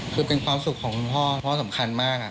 คือเป็นความสุขของคุณพ่อพ่อสำคัญมาก